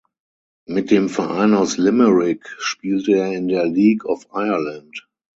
Mit dem Verein aus Limerick spielte er in der League of Ireland.